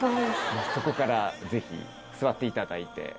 そこからぜひ座っていただいて。